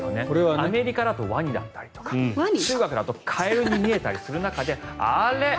アメリカだとワニだったりとか中国だとカエルに見えたりする中であれ？